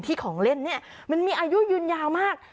ที่ของเล่นมันมีอายุยืนยาวมาก